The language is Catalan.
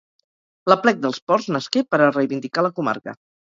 L'aplec dels Ports nasqué per a reivindicar la comarca